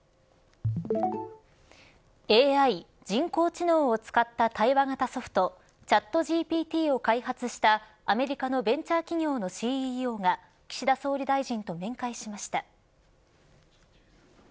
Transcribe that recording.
ＡＩ人工知能を使った対話型ソフトＣｈａｔＧＰＴを開発したアメリカのベンチャー企業のＣＥＯが岸田総理大臣と面会しました。